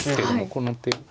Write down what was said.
この手。